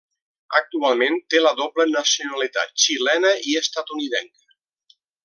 Actualment té la doble nacionalitat xilena i estatunidenca.